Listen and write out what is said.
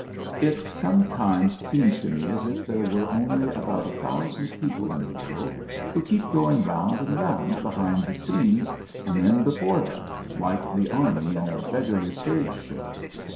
It sometimes seems to me as if there were only about a thousand people in the world, who keep going round and round behind the scenes and then before them, like the "army" in a beggarly stage show.